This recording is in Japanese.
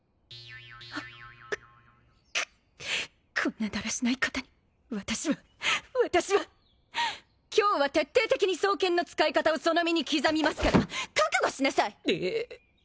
くっこんなだらしない方に私は私は今日は徹底的に双剣の使い方をその身に刻みますから覚悟しなさいえっ？